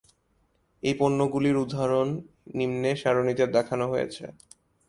এই পণ্যগুলির উদাহরণ নিম্নে সারণিতে দেখানো হয়েছে।